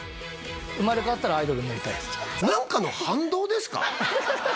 生まれ変わったらアイドルになりたい何かの反動ですか？